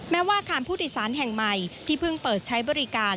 แม้ว่าคารพุทธิศาสตร์แห่งใหม่ที่เพิ่งเปิดใช้บริการ